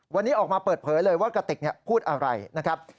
วันนี้ออกมาเปิดเผยเลยว่ากระติกพูดอะไรนะครับ